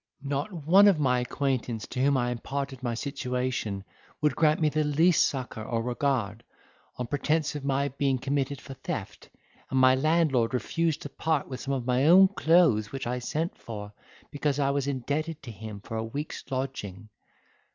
Not one of my acquaintance to whom I imparted my situation, would grant me the least succour or regard, on pretence of my being committed for theft, and my landlord refused to part with some of my own clothes which I sent for, because I was indebted to him for a week's lodging.